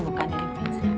bukan dari fans